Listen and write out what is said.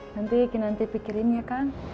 nanti kinanti pikirin ya kang